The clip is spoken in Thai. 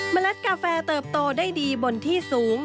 เล็ดกาแฟเติบโตได้ดีบนที่สูง